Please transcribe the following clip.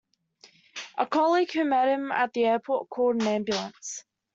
A colleague who met him at the airport called an ambulance.